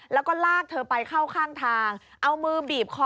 แล้วก็ลากเธอไปเข้าข้างทางเอามือบีบคอ